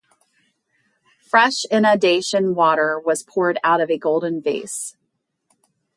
Fresh inundation water was poured out of a golden vase.